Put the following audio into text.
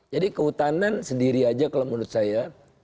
jadi kehutanan sendiri aja kalau menurut saya